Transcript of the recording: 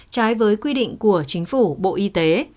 trái với quy định của chính phủ bộ y tế